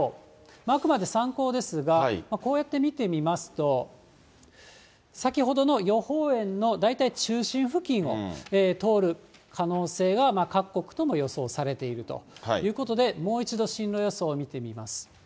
あくまで参考ですが、こうやって見てみますと、先ほどの予報円の大体中心付近を通る可能性が、各国とも予想されているということで、もう一度進路予想見てみます。